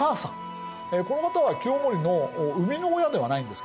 この方は清盛の生みの親ではないんですけどね